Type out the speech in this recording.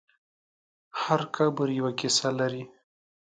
هر قبر یوه کیسه لري.